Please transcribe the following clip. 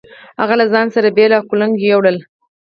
هغه له ځان سره بېل او کُلنګ يو وړل.